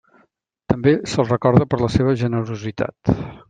També se'l recorda per la seva generositat.